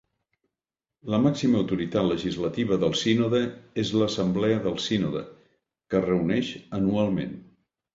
La màxima autoritat legislativa del sínode és l'Assemblea del Sínode, que es reuneix anualment.